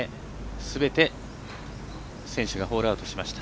すべて、選手がホールアウトしました。